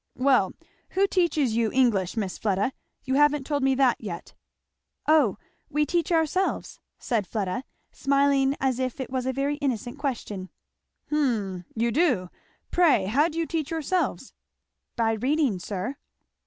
"Well who teaches you English, Miss Fleda? you haven't told me that yet." "O that we teach ourselves," said Fleda, smiling as if it was a very innocent question. "Hum! you do! Pray how do you teach yourselves?" "By reading, sir."